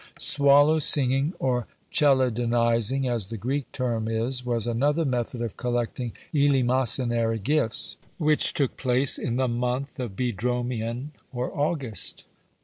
Swallow singing, or Chelidonising, as the Greek term is, was another method of collecting eleemosynary gifts, which took place in the month Boedromion, or August.